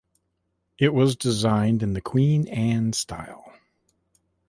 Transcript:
It was designed in the Queen Anne style.